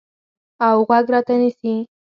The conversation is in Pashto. اوغوږ راته نیسي